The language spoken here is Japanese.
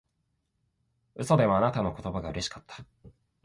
嘘でもあなたの言葉がうれしかった